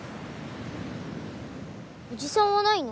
おじさんはないの？